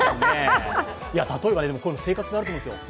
例えばこういうの生活であると思うんですよ。